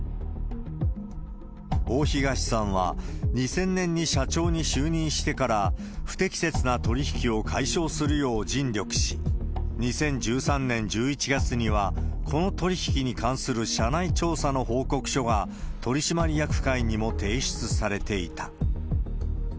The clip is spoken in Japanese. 大東さんは、２０００年に社長に就任してから、不適切な取り引きを解消するよう尽力し、２０１３年１１月には、この取り引きに関する社内調査の報告書が取締役会にも提出されていた。